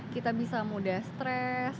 kita bisa mudah stres